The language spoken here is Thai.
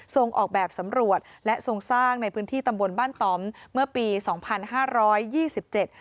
ออกแบบสำรวจและทรงสร้างในพื้นที่ตำบลบ้านต่อมเมื่อปีสองพันห้าร้อยยี่สิบเจ็ด